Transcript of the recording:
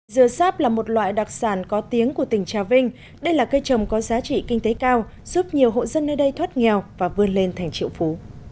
dừa sáp là một loại đặc sản có tiếng của tỉnh trà vinh đây là cây trồng có giá trị kinh tế cao giúp nhiều hộ dân nơi đây thoát nghèo và vươn lên thành triệu phú